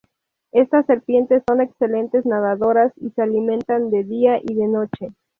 Estas serpientes son excelentes nadadoras y se alimentan de día y de noche.